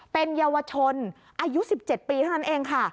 เป็นเยาวชนอายุ๑๗ปีเท่านั้นเองค่ะ